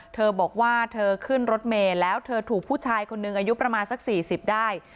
เธอบอกว่าเธอขึ้นรถเมย์แล้วเธอถูกผู้ชายคนหนึ่งอายุประมาณสัก๔๐ได้